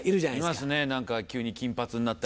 いますね何か急に金髪になったりね。